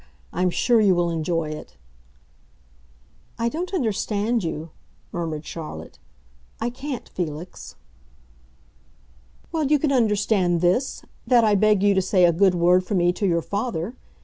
I'm sure you will enjoy it." "I don't understand you," murmured Charlotte. "I can't, Felix." "Well, you can understand this—that I beg you to say a good word for me to your father.